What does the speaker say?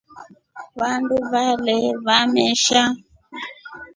Vandu vale vamesha.